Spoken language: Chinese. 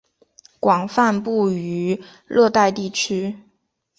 广泛布于热带地区。